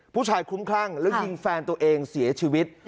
ผู้ชายคุ้มคลั่งแล้วยิงแฟนตัวเองเสียชีวิต